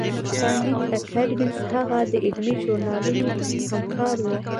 کانديد اکاډميسن هغه د علمي ژورنالونو همکار و.